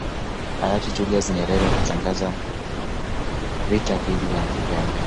Hayati Julius Nyerere alitangaza vita dhidi ya Uganda